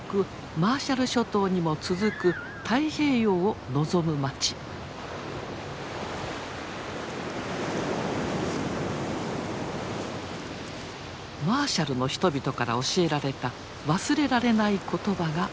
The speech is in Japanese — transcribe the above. マーシャルの人々から教えられた忘れられない言葉があります。